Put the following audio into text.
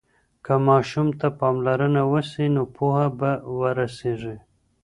که ماشوم ته پاملرنه وسي نو پوهه به ورسيږي.